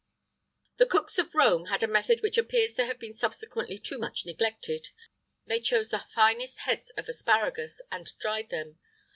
[IX 52] The cooks of Rome had a method which appears to have been subsequently too much neglected; they chose the finest heads of asparagus, and dried them.